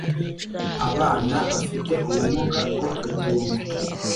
abana bafite ubumuga bwo kutumva